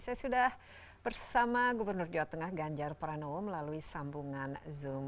saya sudah bersama gubernur jawa tengah ganjar pranowo melalui sambungan zoom